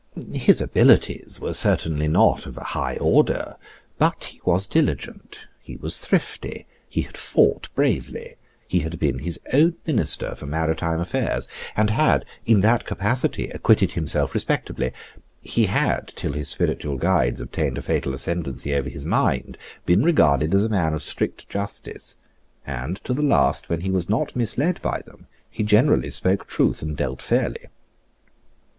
His abilities were certainly not of a high order: but he was diligent: he was thrifty: he had fought bravely: he had been his own minister for maritime affairs, and had, in that capacity, acquitted himself respectably: he had, till his spiritual guides obtained a fatal ascendency over his mind, been regarded as a man of strict justice; and, to the last, when he was not misled by them, he generally spoke truth and dealt fairly.